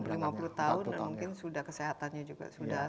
lima puluh tahun dan mungkin sudah kesehatannya juga sudah